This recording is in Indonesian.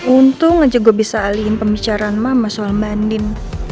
untung aja gue bisa alihin pembicaraan mama soal banding